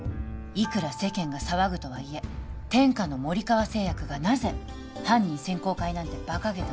いくら世間が騒ぐとはいえ天下の森川製薬がなぜ犯人選考会なんてバカげたものを開くのか